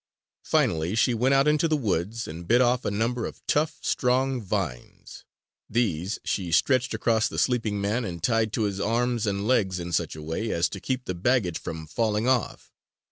Finally she went out into the woods and bit off a number of tough, strong vines. These she stretched across the sleeping man and tied to his arms and legs in such a way as to keep the baggage from falling off.